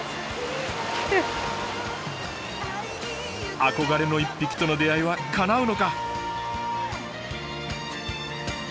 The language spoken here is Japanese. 憧れの一匹との出会いはかなうのか？